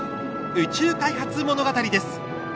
「宇宙開発物語」です。